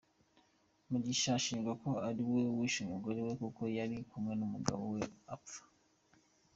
Mugisha ashinjwa ko ari we wishe umugore kuko yari kumwe n’umugore we apfa.